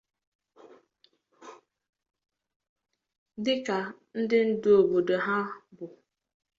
dịka ndị ndu obodo ha bụ